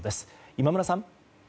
今村さん。